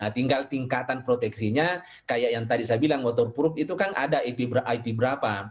tinggal tingkatan proteksinya kayak yang tadi saya bilang waterproop itu kan ada it berapa